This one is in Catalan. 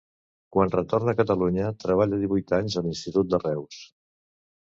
Quan retorna a Catalunya, treballa divuit anys a l'Institut de Reus.